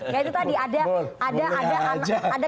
gak itu tadi ada